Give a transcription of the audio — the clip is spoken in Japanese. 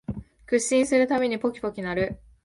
屈伸するたびにポキポキ鳴る